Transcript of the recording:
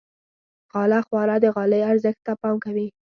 غاله خواره د غالۍ ارزښت ته پام کوي.